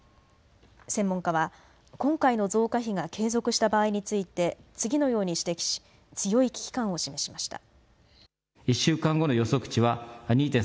専門家は今回の増加比が継続した場合について次のように指摘し強い危機感を示しました。